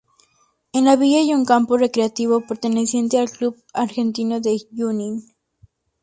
En la villa hay un campo recreativo perteneciente al Club Argentino de Junín.